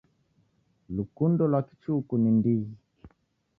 Lukundo lwa kichuku ni ndighi.